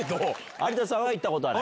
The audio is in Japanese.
有田さんは行ったことある？